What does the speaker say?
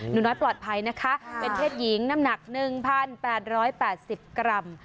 หนูน้อยปลอดภัยนะคะเป็นเพศหญิงน้ำหนัก๑๘๘๐กรัม